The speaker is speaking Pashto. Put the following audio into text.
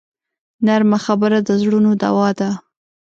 نرمه خبره د زړونو دوا ده